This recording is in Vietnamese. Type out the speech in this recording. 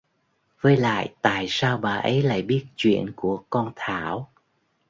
Với lại tại sao bà ấy lại biết chuyện của con thảo